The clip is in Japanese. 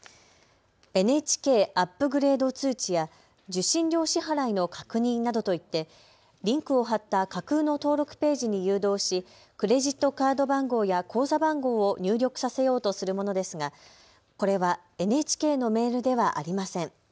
ＮＨＫアップグレード通知や受信料支払いの確認などといってリンクを貼った架空の登録ページに誘導しクレジットカード番号や口座番号を入力させようとするものですがこれはＮＨＫのメールではありません。